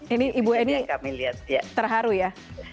ini ibu eni terharu ya